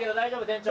店長。